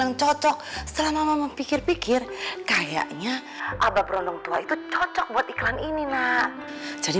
yang cocok selama mempikir pikir kayaknya abah berondong tua itu cocok buat iklan ini nah jadi